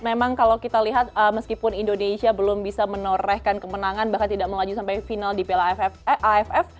memang kalau kita lihat meskipun indonesia belum bisa menorehkan kemenangan bahkan tidak melaju sampai final di piala aff